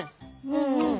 うんうん。